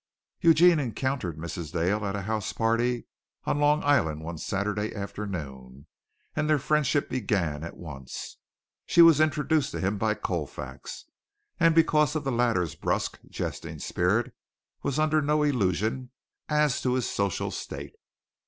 Eugene encountered Mrs. Dale at a house party on Long Island one Saturday afternoon, and their friendship began at once. She was introduced to him by Colfax, and because of the latter's brusque, jesting spirit was under no illusions as to his social state.